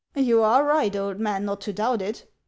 " You are right, old man, not to doubt it.